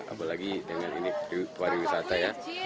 apalagi dengan ini pariwisata ya